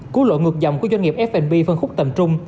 cuối lộ ngược dòng của doanh nghiệp f b phân khúc tầm trung